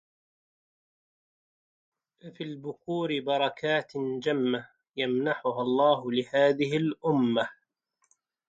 ففي البُكورِ بركاتٍ جمة يمنحها الله لهذه الأمة